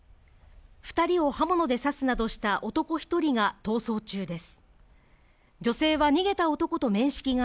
２人を刃物で刺すなどした男１人が逃走中です。